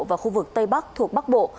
và khu vực tây bắc thuộc bắc bộ